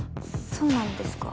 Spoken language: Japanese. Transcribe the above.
そうなんですか？